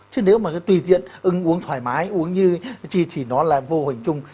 chứ nếu mà tùy tiện uống thoải mái uống như chi thì nó là vô hình chung